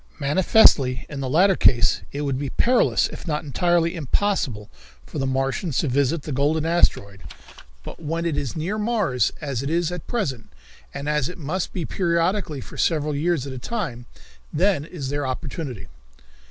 "Manifestly in the latter case it would be perilous if not entirely impossible for the Martians to visit the golden asteroid, but when it is near Mars, as it is at present, and as it must be periodically for several years at a time, then is their opportunity."